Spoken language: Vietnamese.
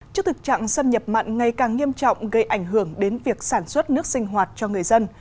trước thực trạng xâm nhập mặn ngày càng nghiêm trọng gây ảnh hưởng đến việc sản xuất nước sinh hoạt cho người dân